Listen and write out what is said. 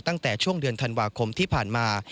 ตั้งแต่ช่วงเดือนธันวาคมที่ผ่านมา